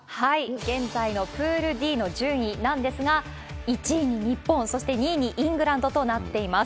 現在のプールＤの順位なんですが、１位に日本、そして２位にイングランドとなっています。